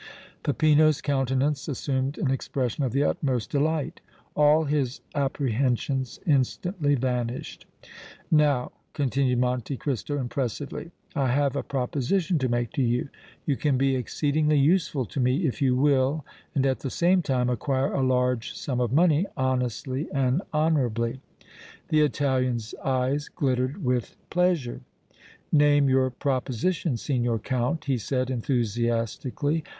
Peppino's countenance assumed an expression of the utmost delight. All his apprehensions instantly vanished. "Now," continued Monte Cristo, impressively, "I have a proposition to make to you. You can be exceedingly useful to me if you will and at the same time acquire a large sum of money honestly and honorably." The Italian's eyes glittered with pleasure. "Name your proposition, Signor Count," he said, enthusiastically.